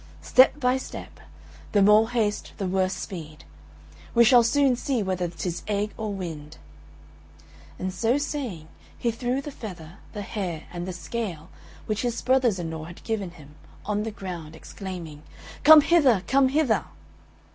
Step by step the more haste, the worse speed: we shall soon see whether tis egg or wind." And so saying he threw the feather, the hair, and the scale, which his brothers in law had given him, on the ground, exclaiming, "Come hither, come hither!"